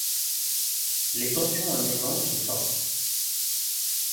Les tensions en Irlande sont fortes.